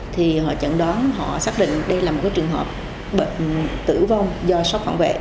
thì họ chẳng đoán họ xác định đây là một trường hợp bệnh tử vong do sót phản vệ